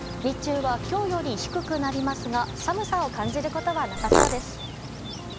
日中は今日より低くなりますが寒さを感じることはなさそうです。